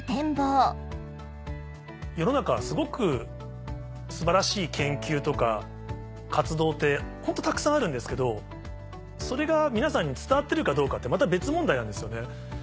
世の中すごく素晴らしい研究とか活動ってホントたくさんあるんですけどそれが皆さんに伝わってるかどうかってまた別問題なんですよね。